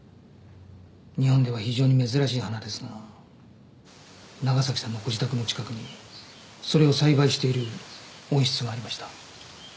日本では非常に珍しい花ですが長崎さんのご自宅の近くにそれを栽培している温室がありました。